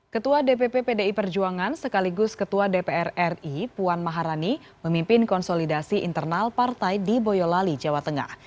ketua dpp pdi perjuangan sekaligus ketua dpr ri puan maharani memimpin konsolidasi internal partai di boyolali jawa tengah